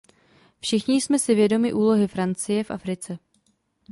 Všichni jsme si vědomi úlohy Francie v Africe.